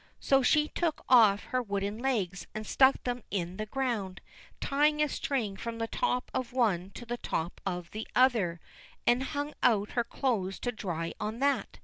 So she took off her wooden legs and stuck them in the ground, tying a string from the top of one to the top of the other, and hung out her clothes to dry on that.